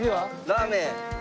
ラーメン。